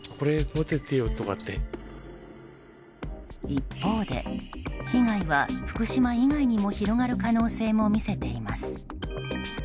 一方で被害は、福島以外にも広がる可能性も見せています。